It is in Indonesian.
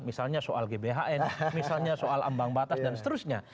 misalnya soal gbhn misalnya soal ambang batas dan seterusnya